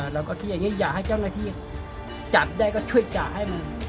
เราก็คิดอย่างนี้อยากให้เจ้าหน้าที่จับได้ก็ช่วยกะให้มัน